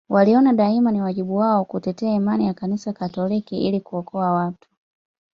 Waliona daima ni wajibu wao kutetea imani ya kanisa katoliki ili kuokoa watu